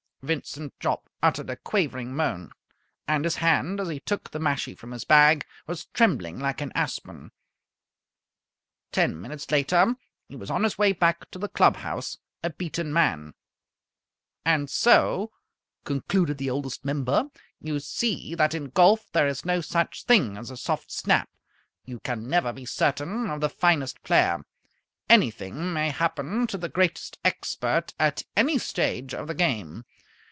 Vincent Jopp uttered a quavering moan, and his hand, as he took the mashie from his bag, was trembling like an aspen. Ten minutes later, he was on his way back to the club house, a beaten man. And so (concluded the Oldest Member) you see that in golf there is no such thing as a soft snap. You can never be certain of the finest player. Anything may happen to the greatest expert at any stage of the game.